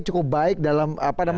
cukup baik dalam